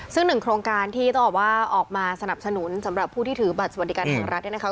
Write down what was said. ซึ่งหนึ่งโครงการที่ต้องบอกว่าออกมาสนับสนุนสำหรับผู้ที่ถือบัตรสวัสดิการแห่งรัฐเนี่ยนะคะ